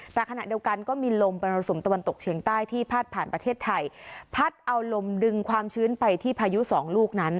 แต่ขณะเดียวกันก็มีลมประสุมตะวันตกเฉียงใต้ที่พาดผ่านประเทศไทยพัดเอาลมดึงความชื้นไปที่พายุสองลูกนั้น